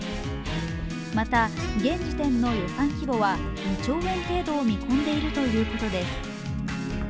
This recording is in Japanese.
また現時点の予算規模は２兆円程度を見込んでいるということです。